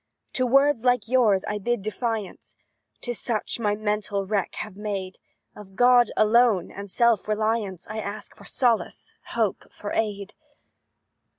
"To words like yours I bid defiance, 'Tis such my mental wreck have made; Of God alone, and self reliance, I ask for solace hope for aid.